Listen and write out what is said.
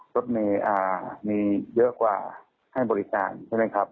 รถเมย์มีเยอะกว่าให้บริการใช่ไหมครับ